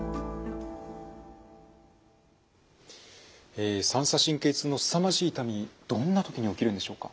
え三叉神経痛のすさまじい痛みどんな時に起きるんでしょうか？